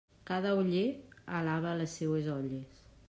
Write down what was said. Cada oller alaba les seues olles.